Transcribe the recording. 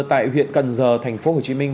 tại huyện cần giờ tp hcm